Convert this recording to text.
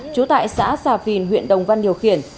trú tại xã xà phìn huyện đồng văn điều khiển